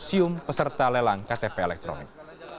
musium peserta lelang ktp elektronik